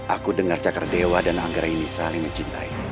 aku dengar cakar dewa dan anggraini saling mencintai